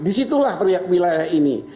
disitulah wilayah ini